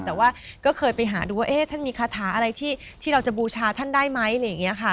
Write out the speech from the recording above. แต่ว่าก็เคยไปหาดูว่าท่านมีคาถาอะไรที่เราจะบูชาท่านได้ไหมอะไรอย่างนี้ค่ะ